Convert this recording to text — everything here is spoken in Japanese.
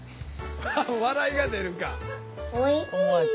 笑いが出るか。